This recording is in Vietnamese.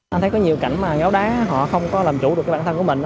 anh thấy có nhiều cảnh mà ngáo đá họ không có làm chủ được bản thân của mình